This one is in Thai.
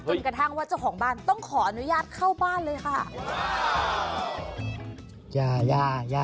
กระทั่งว่าเจ้าของบ้านต้องขออนุญาตเข้าบ้านเลยค่ะ